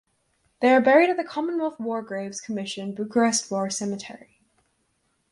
They are buried at the Commonwealth War Graves Commission Bucharest War Cemetery.